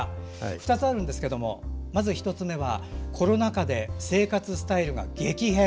２つあるんですがまず１つ目は、コロナ禍で生活スタイルが激変！？